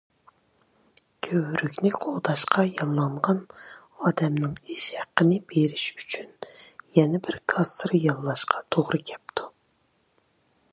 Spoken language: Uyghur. كۆۋرۈكنى قوغداشقا ياللانغان ئادەمنىڭ ئىش ھەققىنى بېرىش ئۈچۈن يەنە بىر كاسسىر ياللاشقا توغرا كەپتۇ.